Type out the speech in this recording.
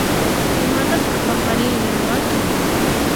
Imatataq paqarinri ruwanki?